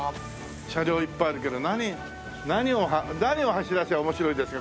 車両いっぱいあるけど何何を走らせれば面白いですか？